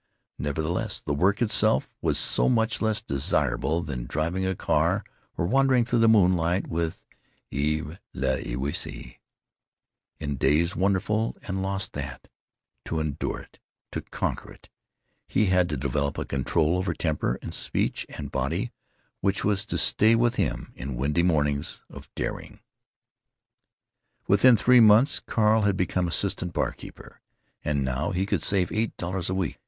Nevertheless, the work itself was so much less desirable than driving a car or wandering through the moonlight with Eve L'Ewysse in days wonderful and lost that, to endure it, to conquer it, he had to develop a control over temper and speech and body which was to stay with him in windy mornings of daring. Within three months Carl had become assistant bar keeper, and now he could save eight dollars a week.